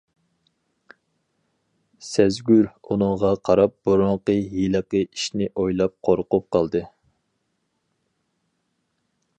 سەزگۈر ئۇنىڭغا قاراپ بۇرۇنقى ھېلىقى ئىشنى ئويلاپ قورقۇپ قالدى.